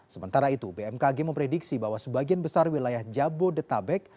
sementara itu bmkg memprediksi bahwa sebagian besar wilayah jabodetabek